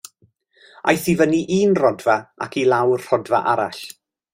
Aeth i fyny un rodfa ac i lawr rhodfa arall.